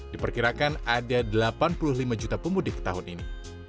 diperkirakan ada delapan puluh lima juta pemudik tahun ini